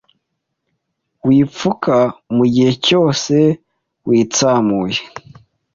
wipfuka mu gihe cyose witsamuye